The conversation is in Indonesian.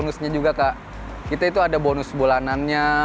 bonusnya juga kak kita itu ada bonus bulanannya